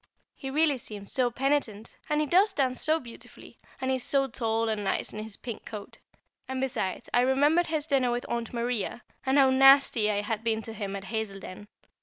He really seemed so penitent, and he does dance so beautifully, and he is so tall and nice in his pink coat; and, besides, I remembered his dinner with Aunt Maria, and how nasty I had been to him at Hazeldene!